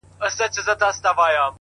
دېوالونه سوري كول كله كمال دئ٫